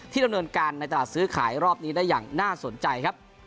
ดำเนินการในตลาดซื้อขายรอบนี้ได้อย่างน่าสนใจครับ